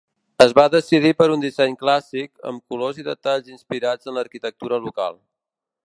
Es va decidir per un disseny clàssic, amb colors i detalls inspirats en l'arquitectura local.